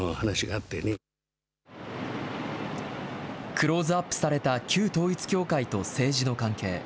クローズアップされた、旧統一教会と政治の関係。